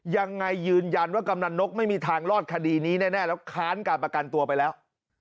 ยืนยันว่ากำนันนกไม่มีทางรอดคดีนี้แน่แล้วค้านการประกันตัวไปแล้ว